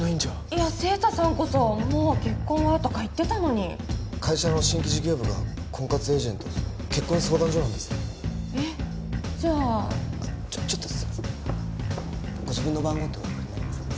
いや晴太さんこそ「もう結婚は」とか言ってたのに会社の新規事業部が婚活エージェント結婚相談所なんですえっじゃあちょっとすいませんご自分の番号ってお分かりになりますか？